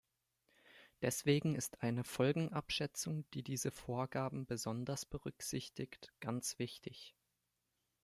Deswegen ist eine Folgenabschätzung, die diese Vorgaben besonders berücksichtigt, ganz wichtig.